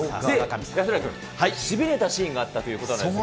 安村君、しびれたシーンがあったということなんですが。